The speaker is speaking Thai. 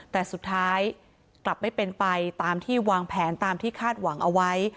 แต่สุดท้ายกลับไม่เป็นไปตามที่วางแผนตามที่คาดหวังเอาไว้